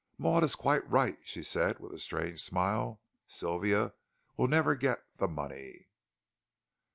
"Maud is quite right," she said with a strange smile. "Sylvia will never get the money."